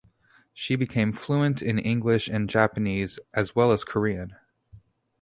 She became fluent in English and Japanese as well as Korean.